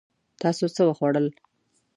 تاسو څه وخوړل؟